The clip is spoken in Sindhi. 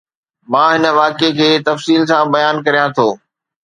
مان هن واقعي کي تفصيل سان بيان ڪريان ٿو